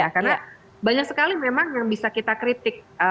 karena banyak sekali memang yang bisa kita kritik